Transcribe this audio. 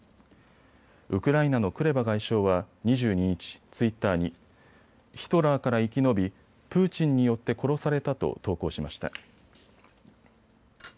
ウクライナのクレバ外相は２２日、ツイッターにヒトラーから生き延び、プーチンによって殺されたと投稿しました。